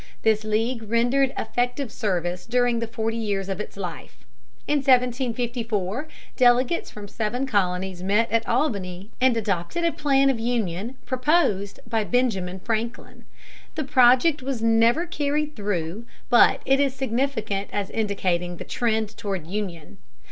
This league rendered effective service during the forty years of its life. In 1754 delegates from seven colonies met at Albany and adopted a plan of union proposed by Benjamin Franklin. The project was never carried through, but it is significant as indicating the trend toward union.